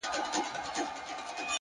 پوهه له تجربې ژورېږي!